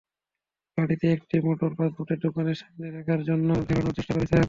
গাড়িটি একটি মোটর পার্টসের দোকানের সামনে রাখার জন্য ঘোরানোর চেষ্টা করছেন।